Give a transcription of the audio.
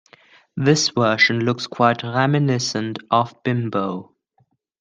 This version looks quite reminiscent of Bimbo.